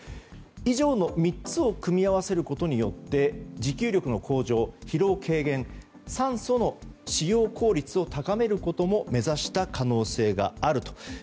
以上の３つを組み合わせることによって持久力の向上、疲労の軽減酸素の使用効率を高めることを目指した可能性があると。